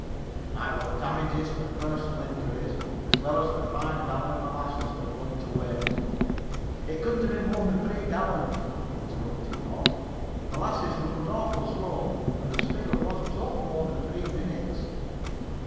"I want damages fer personal injuries, as well as fer five gallons of molasses that run to waste." "It couldn't have been more than three gallons," interrupted Bob. "Molasses runs awful slow, and the spigot wasn't open more than three minutes."